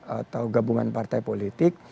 atau gabungan partai